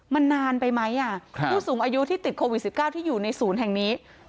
มันนานไปไหมผู้สูงอายุที่ติดโควิด๑๙ที่อยู่ในศูนย์แห่งนี้